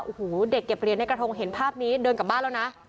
โอ้โหเด็กเก็บเหรียญในกระทงเห็นภาพนี้เดินกลับบ้านแล้วนะ